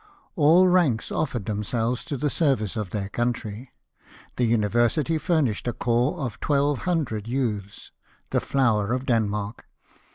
All ranks offered them selves to the service of their country ; the university furnished a corps of twelve hundred youths, the flower of Denmark.